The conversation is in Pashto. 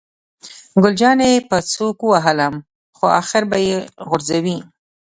ګل جانې په سوک ووهلم، خو آخر به یې غورځوي.